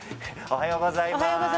おはようございます。